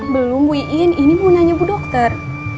belum bu iin ini mau nanya bu dokter